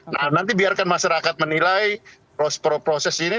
nah nanti biarkan masyarakat menilai proses ini